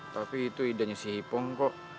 tapi itu idenya si ipong kok